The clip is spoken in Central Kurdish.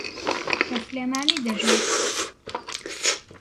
لە سلێمانی دەژیت.